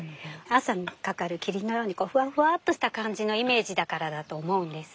朝にかかる霧のようにこうふわふわっとした感じのイメージだからだと思うんです。